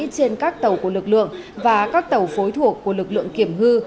trên các tàu của lực lượng và các tàu phối thuộc của lực lượng kiểm hư